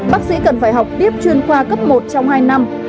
bác sĩ cần phải học tiếp chuyên khoa cấp một trong hai năm